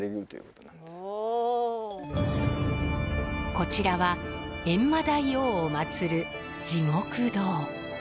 こちらは閻魔大王を祭る地獄堂。